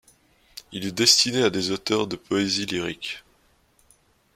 Il est destiné à des auteurs de poésie lyrique.